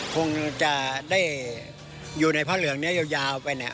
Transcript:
คงจะได้อยู่ในผ้าเหลืองนี้ยาวไปเนี่ย